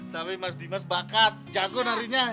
tapi mas dimas bakat jago narinya